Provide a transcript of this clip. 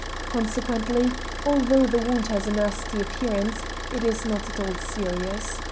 Consequently, although the wound has a nasty appearance, it is not at all serious.